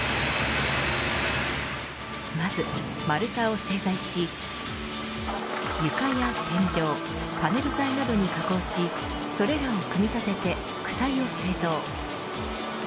まず丸太を製材し床や天井パネル材などに加工しそれらを組み立てて躯体を製造。